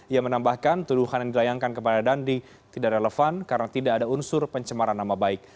ia menambahkan tuduhan yang dilayangkan kepada dandi tidak relevan karena tidak ada unsur pencemaran nama baik